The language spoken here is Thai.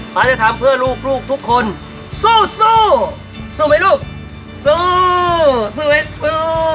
เขาจะทำเพื่อลูกลูกทุกคนสู้สู้สู้ไหมลูกสู้สู้ไหมสู้